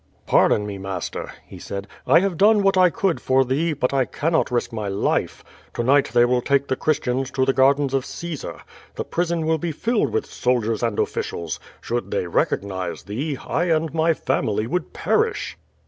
"Pardon me, master," he said; "I have done what I could for thee, but I cannot risk my life. To night they will take the Christians to the gardens of Caesar. The prison will be filled with soldiers and officials. Should they recognize thee, I and my family would perish."